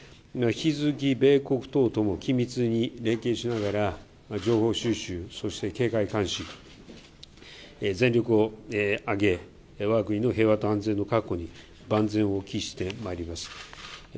引き続き米国等とも緊密に連携しながら、情報収集、そして警戒監視、全力を挙げ、わが国の平和と安全の確保に万全を期してまいります。